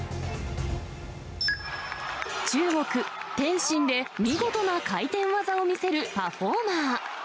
中国・天津で見事な回転技を見せるパフォーマー。